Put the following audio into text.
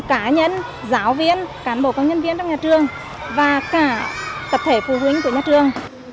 cả nhân giáo viên cán bộ công nhân viên trong nhà trường và cả tập thể phụ huynh của nhà trường